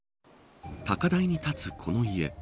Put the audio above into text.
高台に建つこの家。